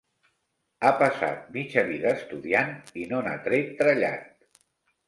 Ha passat mitja vida estudiant i no n'ha tret trellat.